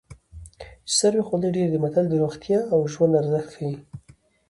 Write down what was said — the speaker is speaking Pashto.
چې سر وي خولۍ ډېرې دي متل د روغتیا او ژوند ارزښت ښيي